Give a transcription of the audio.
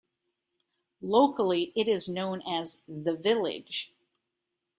Locally, it is known as 'The Village'.